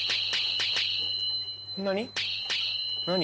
何？